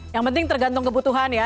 yang penting tergantung kebutuhan ya